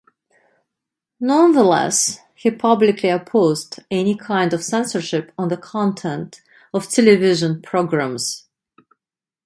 Nonetheless, he publicly opposed any kind of censorship on the content of television programs.